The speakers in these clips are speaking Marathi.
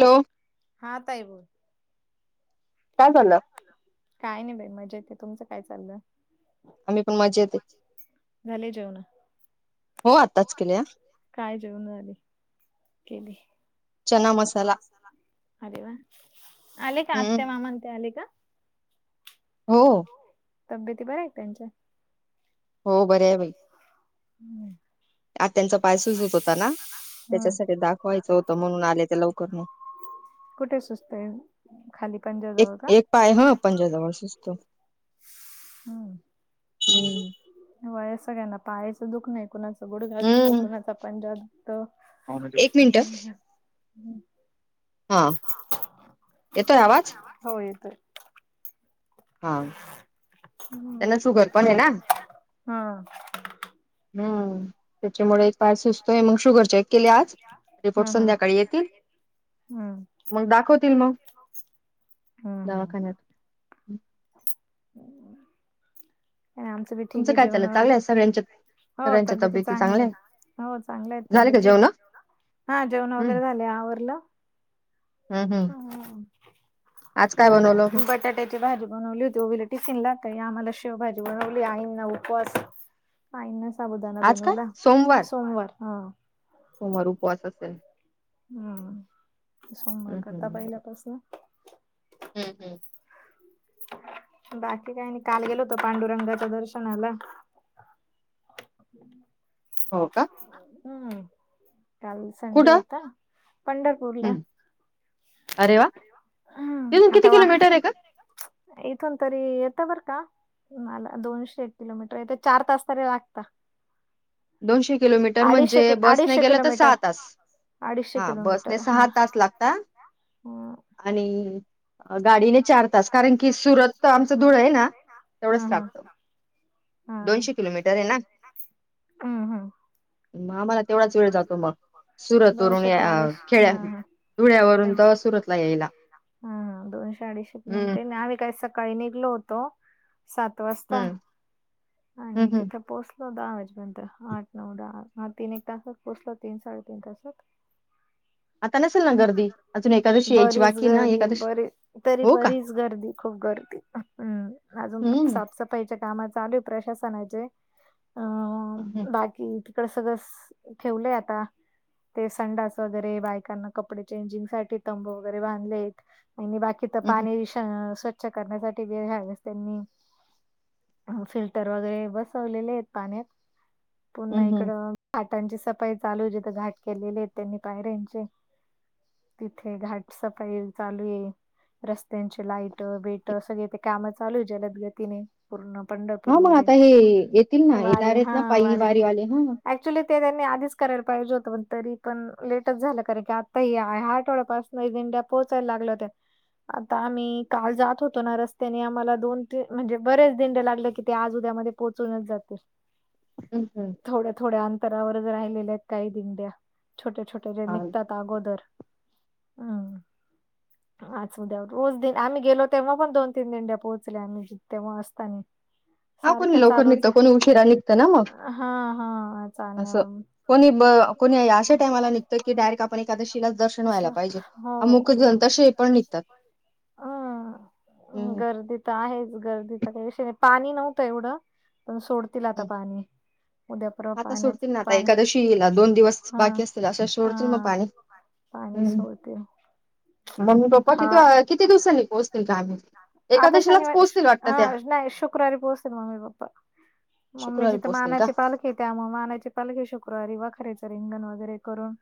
हॅलो. हा ताई. काय चाललय? काय नाही बाई. मजेत आहे. तुमचं काय चाललं? आम्ही पण मजेत आहे. झाले जेवण हो आताच केल्या. काय जेऊन झाली केली? चना मसाला अरे वा! आले का? हम्म आत्या मामा ते आले का? हो. तब्येती बऱ्या आहेत त्यांच्या? हो बर आहे बर. हम्म. आत्यांचा पाय सुजत होता ना. त्याच्यासाठी दाखवायचं होतं म्हणून आले ते लवकर. कुठे सुजतोय? खाली एक पंजाजवळ का? एक पाय ह पंजाजवळ सुजतो हम्. हम्म. वयसं सगळ्यांना पायाचं दुःख नाही कुणाच- गुडगा दुखतं कुणाचा पंजा दुखतं, एक मिनिट हां- हा येतोय आवाज- हो येतोय. हां [unintelligible] हां हम्म त्याच्यामुळे एक पाय सुजतोय मग शुगर चेक- केले आज रिपोर्ट हा हा. संध्याकाळी येते. हम्म मग हम्म हम्म दवाखान्यात आणि आमच बी ठीक तुमचं आहे. काय जेवन चाललं आवरलं चांगलं आहे सगळ्यांच्या का? हो तब्येती चांगलं आहे ना, हो चांगले आहे झाले तब्येत का जेवण तेन- हा जेवण हम्म वगैरे झाले आवरलं. हं, हं. हम्म आज काय पोळी बनवलं मग? लाटली बटाटे- ची भाजी बनवली होती, ओवीला टिफीन लागतंया हे आम्हाला शेवभाजी बनवली आईंना उपवास- आईंना साबुदाणा आज काय? बनवला सोमवार हा. सोमवार उपवास असेल. हम्म सोमवार करता हम्म पहिल्यापासून हम्म बाकी काही नाही काल गेलो होतो पांडुरंगाच्या दर्शनाला. [inaudible] हो का हम्म काल संडे कुठं? होता पंढरपूरला- हं. अरे वा हम्म तिथून किती आता वा किलोमीटर आहे. गं? इथून तरी येतं बर का- मला दोनशे एक किलोमीटर आहे, एक चार तास तरी लागतात. किलोमीटर म्हणजे अडीशे की बसने अडीचशे गेलं तर किलोमीटर- तास. अडीचशे हां, बसने किलोमीटर हा- तास लागतात आणि- गाडीने चार तास कारण की सुरत तर आमचं धूळ आहे ना तेवढंच हम्म, लागतं. हम्म, दोनशे किलोमीटर आहे ना, हम्म, हम्म. हां माझं- तेवढाचं वेळ जातो मग सुरत वरुण दोनशे या ते अडीचशे हा खेळ्या- हा धुळ्यावरून ते- तर सुरतला यायला. हा हा दोनशे अडीचशे किलोमीटर हं, ते न आम्ही काय? सकाळी निघलो होतो, सात वाजता हं. हं, आणि हं. तिथे पोहोचलो- तिथ होतो आठ नंतर आठ नऊ दहा वाजतं. तीन एक तासात पोहचतो तीन साडेतीन तासात. आता नसेल ना गर्दी, अजून एकादशी यायची बरीच बाकी आहे ना, गर्दी एकादशी- बरी तरी हो का बरीच गर्दी खूप गर्दी हम्म अजून हम्म साफसफ- पैसे काम चालू आहेत प्रशासनाचे, अ हम्म बाकी प्र- प्रेस ठेवलंय आता. ते संडास वगैरे बायकांना कपडे चेंजिंग साठी तंबू वगैरे बांधले आहेत आणि बाकी- तिथं हम्म पाणी श स्वच्छ करण्यासाठी जे घ्यावेस त्यांनी- फिल्टर वगैरे बसवलेले आहेत. पाण्यात पुन्हा एक- हम्म घाटांची सफाई चालू हो जिथ घाट केलेली आहेत. त्यांनी पायऱ्यांचे तिथे घाटसफाई चालू हे रस्त्यांची लाईट बीट सगळे ते कामं चालू जलदगतीने पूर्ण हा मग पंढरपूरमध्ये आता हे वारी हा पायी वारी वारीवाले आली ना ऍक्च्युली ते त्यांनी आधीच करायला पाहिजे होतं. पण तरी पण लेटच झालं कारण की आत्ता हि या आठवड्यापासून काही दिंड्या पोहचायला लागले होत्या. आता आम्ही काल जात होतो. ना रस्त्याने आम्हाला दोन तीन म्हणजे बऱ्याच दिंड्या लागलं. की ते आज उद्यामध्ये पोचूनच जाते. हम् हम थोड्या थोड्या अंतरावरच राहिलेल्या आहेत. काही दिंड्या छोटे छोट्या जे हा निघतात. अगोदर हं आजच उद्या रोज आम्ही गेलो. तेव्हा पण दोन तीन दिंड्या पोहोचल्या आम्ही तेव्हा असतानी. हा कोणी लवकर निघतं कोणी उशीरा निघतं ना मग! हा हा असं चालंन कोणी ब कोणी अशा टाईमाला निघत की डायरेक्ट आपण एकादशीलाच दर्शन अशा व्हायला पाहिजे. हो अमुक जन तसेही पण निघतात. ह हम्म गर्दीत आहेच गर्दी तर त्याविषय पाणी नव्हतं. एवढं पण सोडतील आता हम्म पाणी उद्यापर्वा आता पाण्याचा सोडतील ना आता पाण्या एकादशी येईला दोन दिवस हा बाकी असतील अशा सोडतील हा उद्या एकादशी दोन दिवसाचं पाणी मग सोडतील मग पाणी सोडतील मग् ममी पप्पा फार तिथे किती दिवसांनी पोहचतील काय आम्ही आता एकादशीलाच शनिवारी पोहोचतील वाटतं हा त्या नाही शुक्रवारी पोहोचतील मम्मी पप्पा मम्मीची शुक्रवारी तर पोहोचतील का मानाची पालखी त्यामुळ मानाची पालखी शुक्रवारी वखारयाच रिंगण वगैरे करून.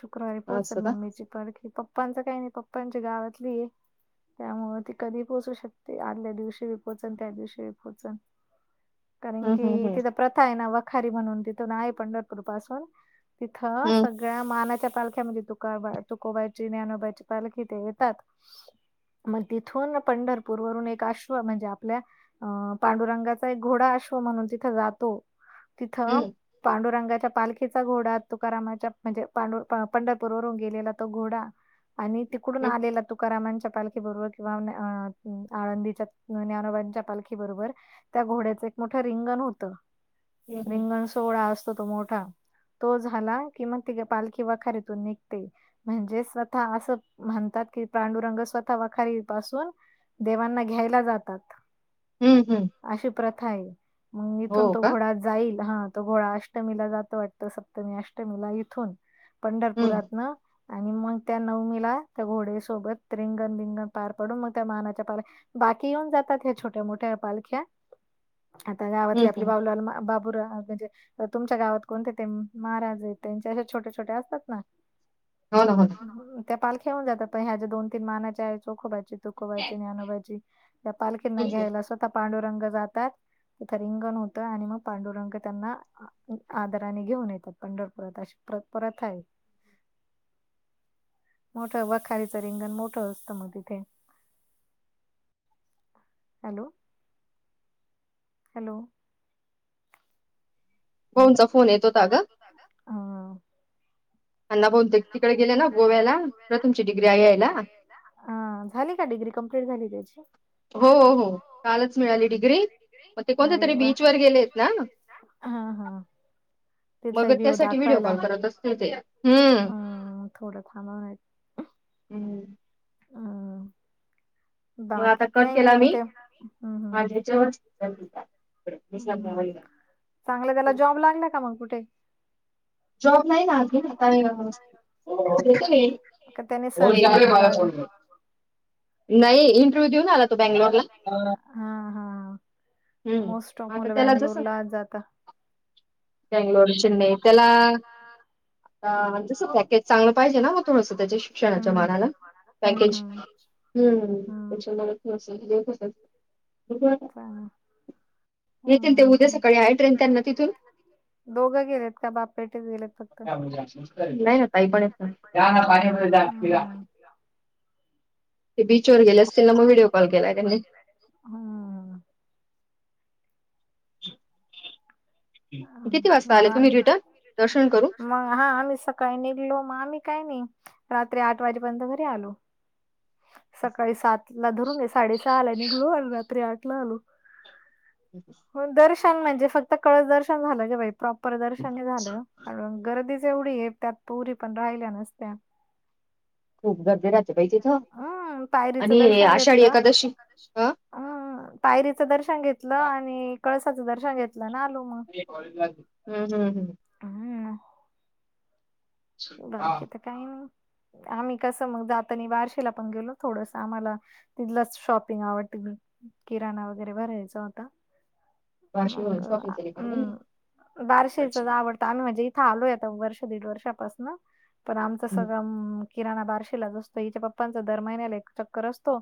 शुक्रवारी पोहचल असं का मम्मीची पालखी प प्पांच काही नाही. पप्पांची गावातली आहे त्यामुळ ते कधी पोहचू शकते. आदल्या दिवशी बी पोहचल त्या दिवशी बी पोहोचल. कारण हम्म की हम्म तिथं प्रथा आहे. ना वखारी म्हणून तिथून आहे पंढरपूर पासून तिथं हम्म सगळ सगळ्या मानाच्या पालख्यामध्ये तुको तुकोबाची ज्ञानोबाची पालखी ते येतात. मग तिथून पंढरपूरवरून एक अश्व म्हणजे आपल्या अं पांडुरंगाचा एक घोडा अश्व म्हणून तिथं जातो. तिथ हम्म पांडुरंगाच्या पालखी पालखीचा घोडा तुकारामाच्या म्हणजे पांढु पंढरपूर वरुन गेलेला तो घोडा आणि तिकडून हम्म आलेला तुकारामांच्या पालखी बरोबर किंवा आळंदीच्या ज्ञानोबांच्या पालखी बरोबर त्या घोड्याचं एक मोठं रिंगण होतं. हम्म हम्म रिंगण सोहळा असतो तो मोठा तो झाला. कि मग ति पालखी वखारीतून निघते म्हणजे स्वतः असं म्हणतात की पांडुरंग स्वतः वखारी पासून देवांना घ्यायला जातात. हम्म हम्म हम्म अशी प्रथा आहे. मग इथून हो तो का घोडा जाईल हा तो घोडा अष्टमीला जातो वाटतं. सप्तमी अष्टमीला इथून हम्म पंढरपुरातन आणि मग त्या नवमीला त्या घोडेसोबत रिंगण बिंगण पार पडून मग त्या मानाच्या पालख्या, बाकी येऊन जातात ह्या छोट्या मोठ्या पालख्या. आता हम्म गावातली आपली हम्म बाऊला बाबूरा म्हणजे तुमच्या गावात कोणते ते महाराज त्यांचे अशे छोटे छोटे असतात ना? होना, होना. त्या पालख्या येऊन जातात, पण ह्या ज्या दोन तीन मानाच्या आहे, चोखोबाची, तुकोबाची, ज्ञानोबाची. त्या पालखींना घ्यायला स्वत पांडुरंग जातात, तिथं रिंगण होतं आणि मग पांडुरंग त्यांना आदराने घेऊन येतात पंढरपुरात, अशी प्र प्रथाये. मोठं वखारीचं रिंगण मोठं असतं मग. इथे हॅलो हॅलो होऊन जाउ तुमचा फोन येत होता का? अन्ना बोहुतेक तिकडे गेले ना गोव्याला, प्रथमची डिग्री यायला हां झाली का डिग्री कंप्लीट झाली त्याची? हो हो कालच मिळाली डिग्री, मग ते कोणत्या तरी बीचवर गेलेत ना? हं हं मग त्यासाठी व्हिडिओ कॉल करत असतील ते. हम्म अम्म थोडं थांबवाय [inaudible] हम्म ह्यो आता कट केला मग मी, ते हम्म हम्म माझ्या ह्याच्यावरच त्यांना लावून हम्म. टाक. [unintelligible] चांगलं त्याला जॉब लागला का मग कुठे? जॉब नाही ना अजून आता, का त्याने सर्च नाही केला [unintelligible] [unintelligible] नाही इंटरव्ह्यू नाही देऊन तो इंटरव्यू देऊन आला बँगलोरला तू बंगलोर ला? हा हा. हम्म मोस्ट ऑफ आता मुलं त्याला बंगलोर लाच जाता. बंगलोर बंगलोरची मी त्याला आता जसं पॅकेज चांगलं पाहिजे ना मग थोडंसं त्याच्या शिक्षणाच्या हम्म मानाला हम्म पॅकेज. हम्म हम् हम्म त्याच्या मनात नसेल देऊ कसंच. बघू आता, चालेल येतील ते हम्म उद्या हम्म सकाळी आहे ट्रेन त्यांना तिथून तिथे दोघं गेलेत का? बाप बेटेच गेलेत. फक्त [unintelligible] नाही ना ताई पण येत ना. हम्म ते बीचवर गेले असतील ना, मं व्हिडिओ कॉल केला त्यांनी. हा किती वाजता आले तुम्ही रिटर्न दर्शन करून? मं हा आम्ही सकाळी निघलो मग आम्ही काही नही. रात्री आठ वाजेपर्यंत घरी आलो. सकाळी सातला धरून घे, साडेसहाला निघलो आन रात्री आठला आलो. [inaudible] दर्शन म्हणजे, फक्त कळस दर्शन झालं गं बाई. प्रॉपर दर्शन नाही झालं गं आणि गर्दीच एवढी आहे त्यात पोरी पण राहिल्या नसत्या. खूप गर्दी राहते बाई तिथं हम्म पायरीचं आणि आषाढी एकादशी हं अं, पायरीचं दर्शन घेतलं हम्म आणि कळसाचं दर्शन घेतलं अन् आलो. मग. हम् हम्म हम्..... हम्म, बाकी तर काही नाही, आम्ही कसं मग जातानी बारशीला पण गेलो थोडसं आम्हाला तिथलाच शॉपिंग आवडते मी किराणा वगैरे भरायचा होता. मंग वाशिम अं शॉपिंग केली का नाही हम्म बारशीेच च आवडत. अण म्हणजे इथं आलोय आता वर्ष दीड वर्षापासनं पण आमचं सगळं मं किराणा बारशीलाच असतो, हिच्या पप्पांचा दर महिन्याला एक चक्कर असतो.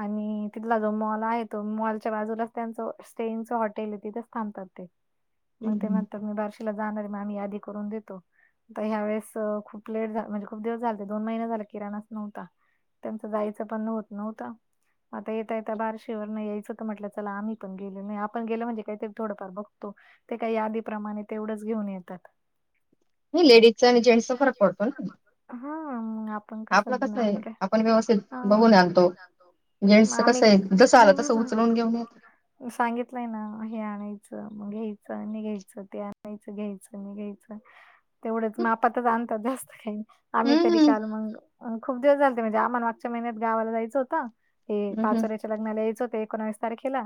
आणि तिथला जो मॉल आहे तो मॉलच्या बाजूलाच त्यांच स्टेंगचं हॉटेल तिथंच थांबात ते. म ते म्हणतात मी बारशीला जाणार आहे, मग आम्ही यादी करून देतो, आता ह्या वेळेस अं खूप लेट झालं, म्हणजे खूप दिवस झालते दोन महिने झाले किराणाच नव्हता. त्यांचं जायचं पण होतं नव्हतं. आता येता- येता बारशीवरनं यायचं त म्हटलं चला आम्ही पण गेलो नाही, आपण गेलं म्हणजे काहीतरी थोडंफार बघतो. ते काय यादीप्रमाणे तेवढंच घेऊन येतात. नाही लेडीज च आणि जेंटस् लेडीज आणि जेंटस् चा फरक पडतो ना, हा मग आ आपलं कस आहे, आपण व्यवस्थित हा बघून आणतो. मग जेंट्सच आम्ही कस आहे, जसं आलं तसं उचलवून घेऊन येते. हम्म. सांगितलंय ना हे आणायचं मग घ्यायचं आणि घ्यायचं ते आणायचं घ्यायचं निघायचं. तेवढंच मपाातच आणतात, जास्त काही नाही आम्ही तरी हम्म काल मंग अं खूप दिवस झालते म्हणजे आम्हा मागच्या महिन्यात गावाला जायचं होतं, हे हम्म पाचोरयाचे लग्नाला यायचं होतं, एकोणावीस तारखेला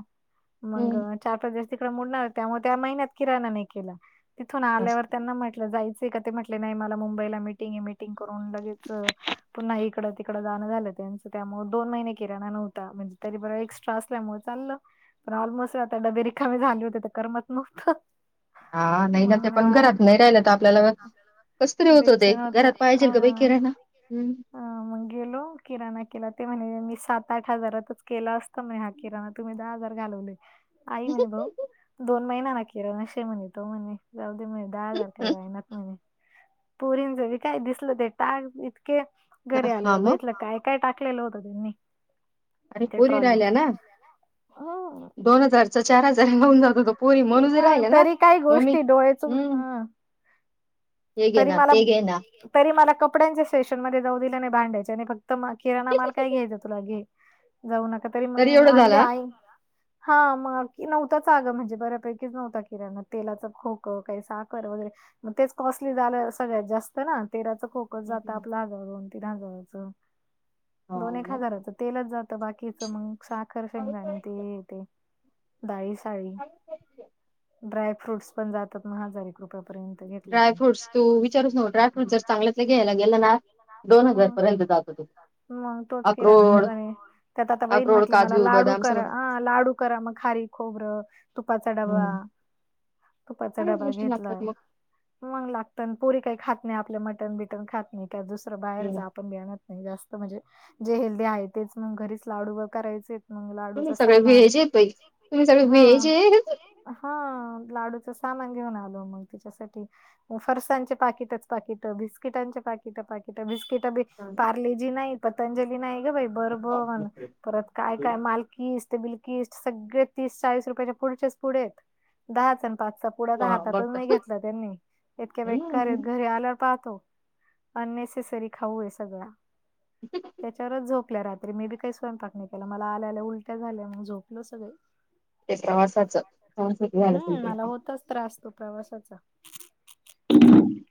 मंग हम्म अं चार पाच दिवस तिकडं मोडणार त्यामुळे त्या महिन्यात किराणा नाही केला, तिथून असं. आल्यावर त्यांना म्हटलं जायचं ते का ते म्हटले नाही मला मुंबईला मिटिंग आहे, मिटिंग करून लगेच अं पुन्हा इकडं, तिकडं जाणं झालं त्यांच त्यामुळं दोन महिने किराणा नव्हता म्हणजे तरी बर एक्स एक्स्ट्रा असल्यामुळे चाललं पण ऑलमोस्ट आता डबे रिकामीे झाले होते तर करमत नव्हतं. हा नाही ना ते मग पण अ, घरात नाही, राहिलं तर आपल्याला कस तरी होत होते, बेचैन होत घरात पाहिजेल ग बाई हा. किराणा हम्, अ मग गेलो किराणा केला ते म्हणे मी सात आठ हजारातच केला असतं म्ह हा किराणा. तुम्ही दहा हजार घालवले आई म्हणे, भाऊ दोन महिना ना किराणा शे म्हणे तो म्हणे. जाऊ दे म्हणे दहा हजार काय जायना त म्हणे. पोरींच बी काय दिसलं ते टाक इतके, घरी हा आल्यावर मग घेतलं काय काय टाकलेलं होतं त्यांनी. अरे त्या पोरी ट्रॉलीत राहिल्या ना. हम्म दोन हजारचा चार हजार घऊन जात होत पोरी म्हणु राहिल्या ना मम्मी. तु,. हम्म हा. हे घे तरी ना मला, ते घे ना तरी मला कपड्यांचे सेशन मध्ये जाऊ दिलं नाहि, भांड्याच्या नाही, फक्त म किराणा माल काय घ्यायचा तुला घे. जाऊ नका तरी मग एवढं आणले झालं आई हा मग की नव्हताच अगं म्हणजे बऱ्यापैकीच नव्हता, किराण तेलाच खोक काही साखर वगैरे. म तेच कॉस्टली झालं सगळ्यात जास्त ना, तेराच खोक जात आपलं दोन -तीन हजाराच दोन, एक हा. हजाराच तेलच जात बाकीच मग साखर, शेगंदाणे हे ते, ते दाईस दाळी ड्रायफ्रूटस् पण जातात ना हजार रुपयापर्यंत. घेतलं की ड्रायफूट तू विचारू नकोस ड्रायफूट जर चांगल्यातल जर घ्यायला गेल ना. दोन मग हजारपर्यंत जातो. मग तोच किराणा दर आहे आणि त्यात आता बहीण अक्रोड म्हटली मला काजू लाडू बदाम करा सगळं अ लाडू करा मग खारीक. खोबरं तुपाचा डबा तुपाचा सगळ्याच डबा गोष्टी घेतला. लागतात मग मग लागत पोरी काही खात नाही आपलं मटन बिटन खात नाही का दुसरं बाहेर जावू ण नाही जास्त म्हणजे जे हेल्दी आहे तेच मग घरीच लाडू वैगैरे करायचे. मग लाडूच तुम्ही सगळे सामान व्हेज आहेत बाई तुम्ही सगळे हा व्हेज आहेत हा लाडूचं सामान घेऊन आलो मग तिच्यासाठी. ग फरसांणचे पाकिटच पाकिट बिस्किटांचे पाकिट पाकिट बिस्किट बी पार्लेजी नाही पतंजली नाही ग बाई बर बण परत काय काय माल किड्स बिलकिस् सगळे तीस चाळीस रुपयाच्या पुढच्या पुढे दहाच आणि पाचचा पुढ तर बघ हाताततच नाही घेतल यांनी इतके बेकार आहे घरी घरी आल्यावर पाहतो अननेसेसरी खाऊ आहे सगळ. [unintelligible] त्याच्यावरच झोपल्या रात्री मी बी काही स्वयंपाक नाही केला मला आल्याला उलट्या झाल्या मग झोपलो सगळे ते प्रवासाच प्रवासात झालं हम्म असेल ते मला होताच त्रास तो प्रवासाचा. [inaudible]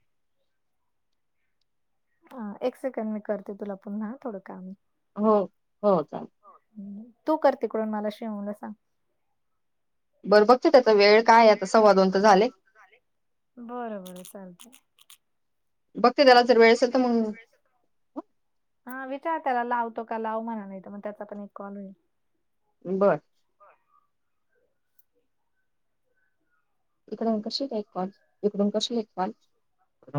ह एक सेकंड मी करते तुला पण हा थोडं का म आहे. हो हो चालेल. तू कर तिकडून मला [unintelligible] सांग. बरं बघते त्याचा वेळ काय आता सव्वा दोन तर झाले? बरं बरं चालतय. बघते जरा वेळेस तर मग. हा विचार त्याला लावतो का लाव मणा नाही तर मग त्याचा पण एक कॉल होईल. बरं. इकडून कसे एक कॉल इकडून कसे ऐकवाल.